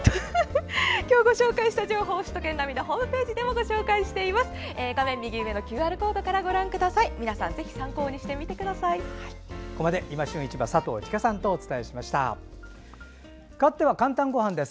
今日ご紹介した情報は首都圏ナビのホームページでもご紹介しています。